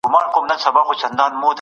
که بازار باثباته وي پانګوال پانګونه کوي.